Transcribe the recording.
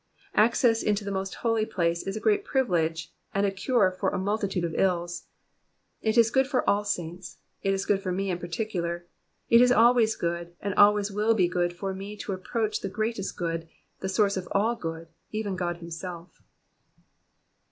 Access into the most holy place is a great privilege, and a cure for a multitude of ills. It is good for all saints, it is good for me in particular ; it is always good, and always will be good for me to ap proach the greatest good, the source of all good, even God himself.